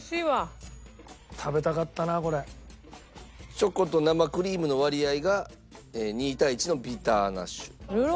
チョコと生クリームの割合が２対１のビターガナッシュ。